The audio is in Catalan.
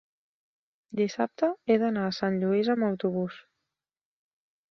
Dissabte he d'anar a Sant Lluís amb autobús.